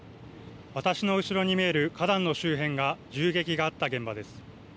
私の後ろに見える花壇の周辺が襲撃があった現場です。